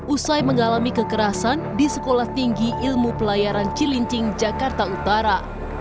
usai mengalami kekerasan di sekolah tinggi ilmu pelayaran cilincing jakarta utara